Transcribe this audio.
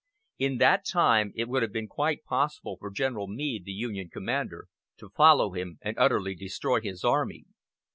In that time it would have been quite possible for General Meade, the Union commander, to follow him and utterly destroy his army.